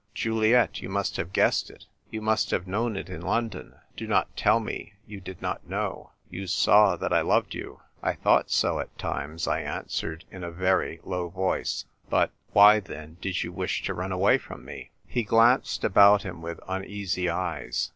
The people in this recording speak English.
Juliet, you must have guessed it ; you must have known it in London. Do not tell me you did not know. You saw that I loved you !"" I thought so, at times," I answered in a very low voice. " But — why then did you wish to run away from me ?" He glanced about him with uneasy eyes.